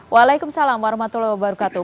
waalaikumsalam warahmatullahi wabarakatuh